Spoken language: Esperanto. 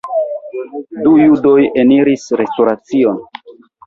Du judoj eliris restoracion.